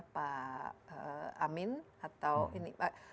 pak amin atau ini